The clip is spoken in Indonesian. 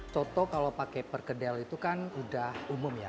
contoh kalau pakai perkedel itu kan udah umum ya